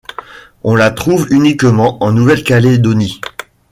On la trouve uniquement en Nouvelle-Calédonie.